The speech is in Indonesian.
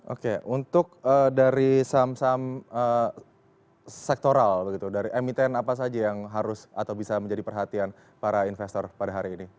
oke untuk dari saham saham sektoral dari emiten apa saja yang harus atau bisa menjadi perhatian para investor pada hari ini